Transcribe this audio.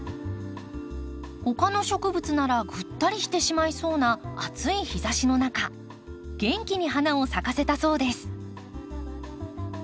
他の植物ならぐったりしてしまいそうな暑い日ざしの中元気に花を咲かせたそうです。